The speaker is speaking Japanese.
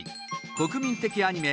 国民的アニメ